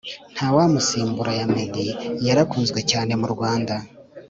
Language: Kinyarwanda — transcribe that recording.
Ntawamusimbura ya meddy yarakunzwe cyane mu Rwanda